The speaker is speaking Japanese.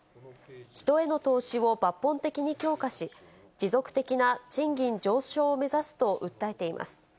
人への投資を抜本的に強化し、持続的な賃金上昇を目指すと訴えています。